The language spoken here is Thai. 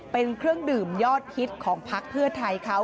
เป็นเครื่องดื่มยอดฮิตของพักเพื่อไทยเขา